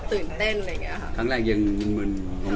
ตื่นเต้นอะไรอย่างเงี้ยค่ะครั้งแรกยังมึน